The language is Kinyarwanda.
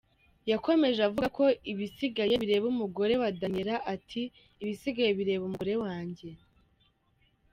Yakomeje avuga ko ibisigaye bireba umugore we Daniella, ati: “Ibisigaye bireba umugore wanjye.